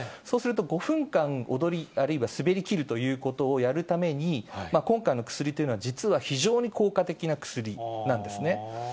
そうすると、５分間、踊り、あるいは滑りきるということをやるために、今回の薬というのは、実は非常に効果的な薬なんですね。